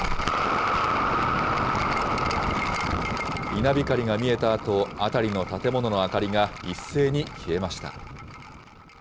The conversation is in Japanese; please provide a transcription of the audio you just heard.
稲光が見えたあと、辺りの建物の明かりが一斉に消えました。